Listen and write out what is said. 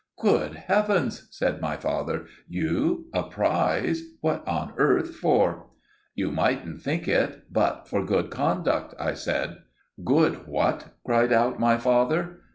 "Good Heavens!" said my father. "You—a prize. What on earth for?" "You mightn't think it, but for good conduct," I said. "Good what?" cried out my father.